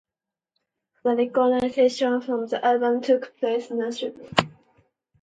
The recording sessions for the album took place in Nashville.